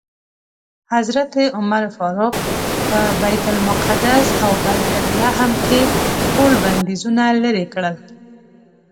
حضرت عمر فاروق په بیت المقدس او بیت لحم کې ټول بندیزونه لرې کړل.